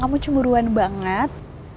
kamu cemburuan banget